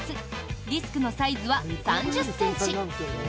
ディスクのサイズは３０ｃｍ。